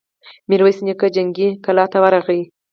ميرويس نيکه جنګي کلا ته ورغی.